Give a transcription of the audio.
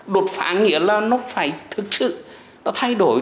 đột phá nghĩa là nó phải thực sự nó thay đổi